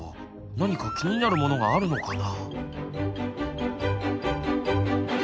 何か気になるものがあるのかな？